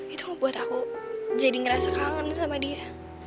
itu membuat aku jadi ngerasa kangen sama dia